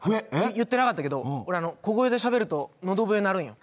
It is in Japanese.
言ってなかったけど、俺、小声でしゃべると、喉笛、鳴るんよ。